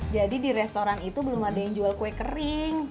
jadi di restoran itu belum ada yang jual kue kering